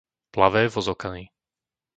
Plavé Vozokany